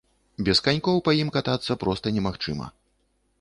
Без канькоў па ім катацца проста немагчыма.